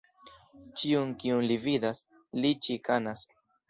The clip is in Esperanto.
Ĉiun, kiun li vidas, li ĉikanas.